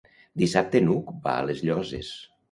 Dissabte n'Hug va a les Llosses.